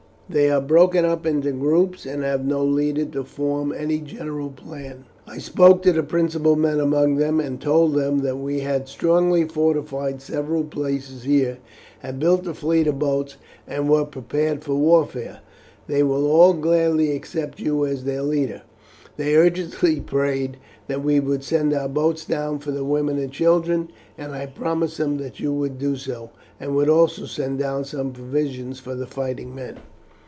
They are broken up into groups, and have no leader to form any general plan. I spoke to the principal men among them, and told them that we had strongly fortified several places here, had built a fleet of boats, and were prepared for warfare; they will all gladly accept you as their leader. They urgently prayed that we would send our boats down for the women and children, and I promised them that you would do so, and would also send down some provisions for the fighting men."